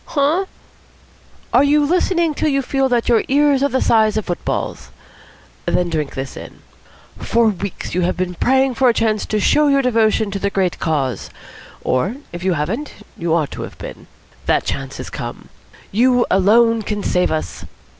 "Huh?" "Are you listening till you feel that your ears are the size of footballs? Then drink this in. For weeks you have been praying for a chance to show your devotion to the great cause; or if you haven't, you ought to have been. That chance has come. You alone can save us.